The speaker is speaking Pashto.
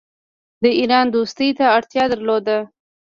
د ایران دوستی ته اړتیا درلوده.